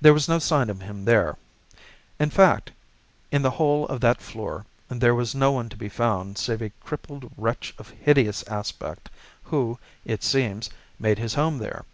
There was no sign of him there. In fact, in the whole of that floor there was no one to be found save a crippled wretch of hideous aspect, who, it seems, made his home there.